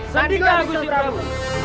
sandika agustin prabu